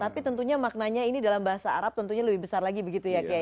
tapi tentunya maknanya ini dalam bahasa arab tentunya lebih besar lagi begitu ya